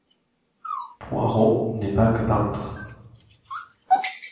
Poirot n’est pas que peintre.